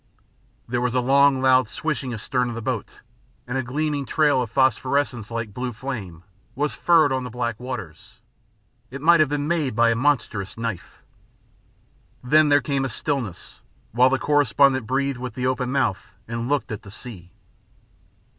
There was a long, loud swishing astern of the boat, and a gleaming trail of phosphorescence, like blue flame, was furrowed on the black waters. It might have been made by a monstrous knife. Then there came a stillness, while the correspondent breathed with the open mouth and looked at the sea.